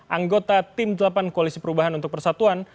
anggota tim delapan koalisi perubahan untuk persatuan